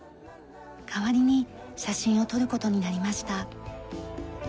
代わりに写真を撮る事になりました。